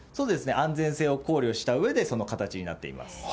安全性を考慮したうえで、その形になっています。